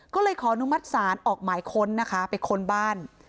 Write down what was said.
ก็เลยขออนุมัติศาลออกหมายค้นนะคะไปค้นบ้าน